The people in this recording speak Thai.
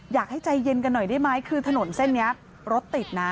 อยากให้ใจเย็นกันหน่อยได้ไหมคือถนนเส้นนี้รถติดนะ